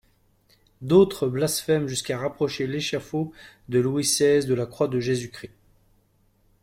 D'autres blasphèment jusqu'à rapprocher l'échafaud de Louis seize de la croix de Jésus-Christ.